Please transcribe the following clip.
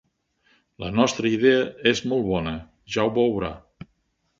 La nostra idea és molt bona, ja ho veurà.